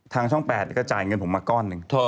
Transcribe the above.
ทางช่องแปดเนี่ยก็จ่ายเงินผมมาก้อนหนึ่ง